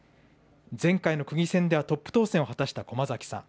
前回の区議選では、トップ当選を果たした駒崎さん。